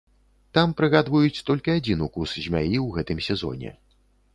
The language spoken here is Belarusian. Там прыгадваюць толькі адзін укус змяі ў гэтым сезоне.